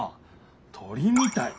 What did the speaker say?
鳥みたい。